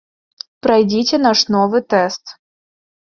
Прайдзіце наш новы тэст.